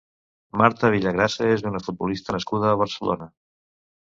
Marta Villagrasa és una futbolista nascuda a Barcelona.